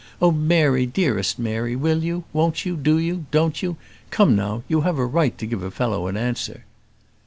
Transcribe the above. Oh, Mary, dearest Mary, will you? won't you? do you? don't you? Come now, you have a right to give a fellow an answer."